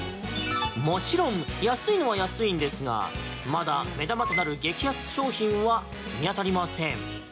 もちろん安いのは安いんですがまだ目玉となる激安商品は見当たりません。